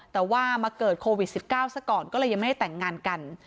แต่ว่ามาเกิดโควิด๑๙ซะก่อนก็เลยยังไม่ได้แต่งงานกัน